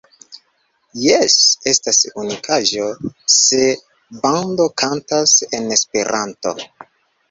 Jes, estas unikaĵo se bando kantas en Esperanto.